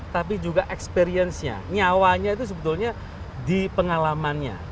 tapi juga experience nya nyawanya itu sebetulnya di pengalamannya